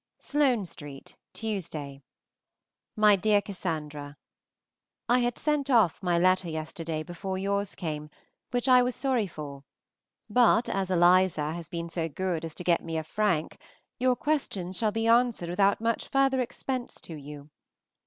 SLOANE ST., Tuesday. MY DEAR CASSANDRA, I had sent off my letter yesterday before yours came, which I was sorry for; but as Eliza has been so good as to get me a frank, your questions shall be answered without much further expense to you.